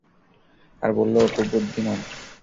আর বললো ও খুব বুদ্ধিমান।